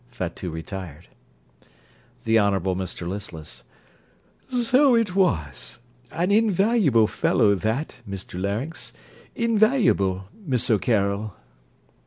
(Fatout retired.) THE HONOURABLE MR LISTLESS So it was. An invaluable fellow that, Mr Larynx invaluable, Miss O'Carroll.